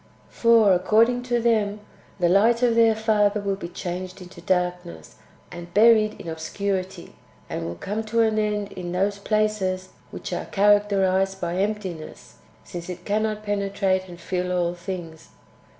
For, according to them, the light of their Father will be changed into darkness and buried in obscurity, and will come to an end in those places which are characterized by emptiness, since it cannot penetrate and fill all things.